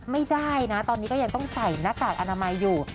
ไม่ได้นะตอนนี้ก็ยังต้องใส่หน้ากากอนามัยอยู่